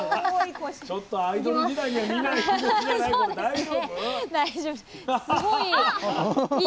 ちょっとアイドル時代には見ない。